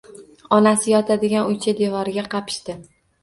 Onasi yotadigan uycha devoriga qapishdi.